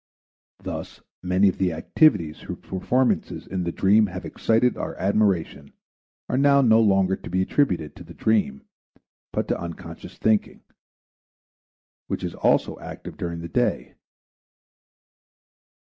Thus many of the activities whose performances in the dream have excited our admiration are now no longer to be attributed to the dream but to unconscious thinking, which is also active during the day.